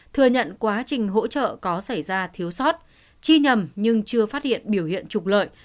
thừa nhận quá trình hỗ trợ có xảy ra thiếu sót chi nhầm nhưng chưa phát hiện biểu hiện trục lợi